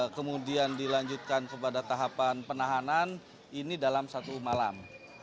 kemudian dilanjutkan kepada tahapan penahanan ini dalam satu malam